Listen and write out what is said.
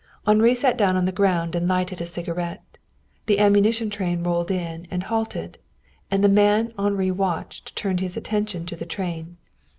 Henri sat down on the ground and lighted a cigarette. The ammunition train rolled in and halted, and the man Henri watched turned his attention to the train.